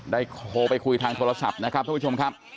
โทรไปคุยทางโทรศัพท์นะครับท่านผู้ชมครับ